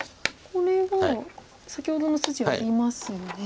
これは先ほどの筋ありますよね。